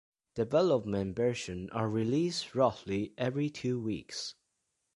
Development versions are released roughly every two weeks.